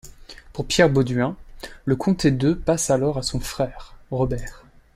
Pour Pierre Bauduin, le comté d'Eu passe alors à son frère Robert.